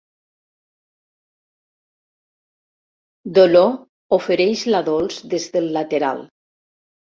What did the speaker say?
Dolor, ofereix la Dols des del lateral.